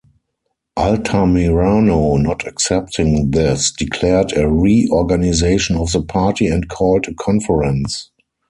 Altamirano, not accepting this, declared a re-organization of the party and called a Conference.